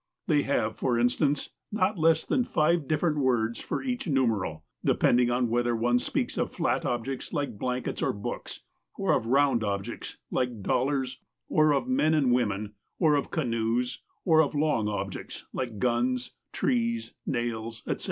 They have, for instance, not less than five different words for each numeral, depending on whether one speaks of flat objects, like blankets or books, or of round objects like dollars, or of men and women, or of canoes, or of long objects, like guns, trees, nails, etc.